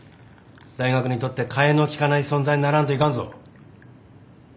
大学にとって替えの利かない存在にならんといかんぞ。